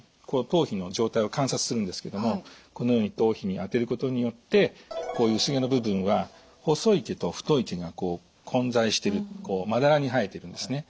頭皮の状態を観察するんですけどもこのように頭皮に当てることによってこういう薄毛の部分は細い毛と太い毛が混在しているまだらに生えているんですね。